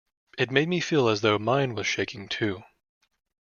It made me feel as though mine was shaking, too.